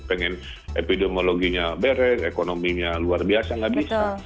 pengen epidemiologinya beres ekonominya luar biasa nggak bisa